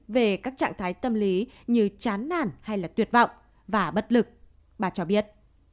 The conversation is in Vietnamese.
về các trạng thái tâm lý như chán nản hay là tuyệt vọng và bất lực bà cho biết